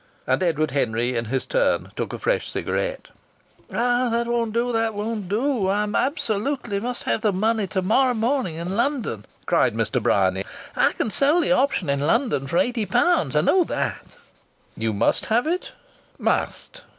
And Edward Henry in his turn took a fresh cigarette. "That won't do! That won't do!" cried Mr. Bryany. "I absolutely must have the money to morrow morning in London. I can sell the option in London for eighty pounds I know that." "You must have it?" "Must!"